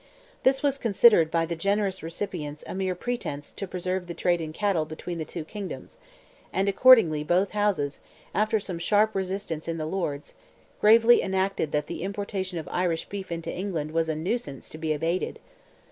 This was considered by the generous recipients a mere pretence to preserve the trade in cattle between the two kingdoms, and accordingly both Houses, after some sharp resistance in the Lords', gravely enacted that the importation of Irish beef into England was "a nuisance," to be abated.